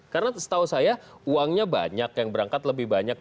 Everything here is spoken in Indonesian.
karena setahu saya uangnya banyak yang berangkat lebih banyak